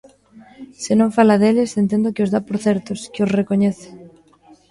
Se non fala deles, entendo que os dá por certos, que os recoñece.